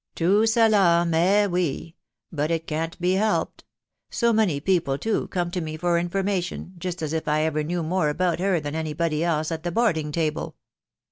Too sell aw man we ; but it can't be helped. ... So many people, too, come to me for information, just as if I knew any more about her than any body else at the boarding table.